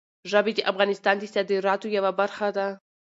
ژبې د افغانستان د صادراتو یوه برخه ده.